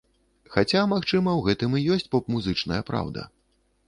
Хаця, магчыма, у гэтым і ёсць поп-музычная праўда.